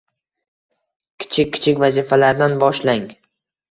Kichik-kichik vazifalardan boshlang.